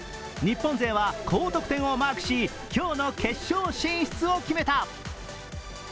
日本勢は高得点をマークし、今日の決勝進出を決めた。